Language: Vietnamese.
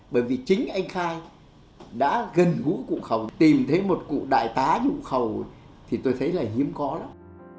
bởi vì chính anh khai đã gần gũi cụ khầu tìm thấy một cụ đại tá như cụ khầu thì tôi thấy là hiếm có lắm